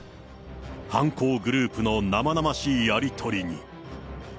犯行グループの生々しいやり取りに。